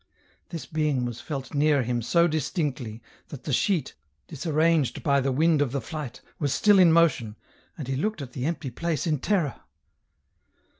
This being was felt near him so distinctly, that the sheet, disarranged by the wind of the flight, was still in motion, and he looked at the empty place in terror.